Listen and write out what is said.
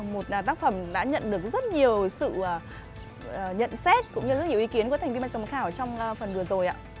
một tác phẩm đã nhận được rất nhiều sự nhận xét cũng như rất nhiều ý kiến của thành viên trong ban giám khảo trong phần vừa rồi